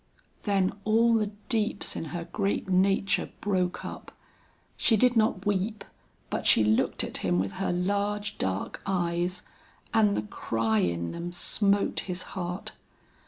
Then all the deeps in her great nature broke up. She did not weep, but she looked at him with her large dark eyes and the cry in them smote his heart.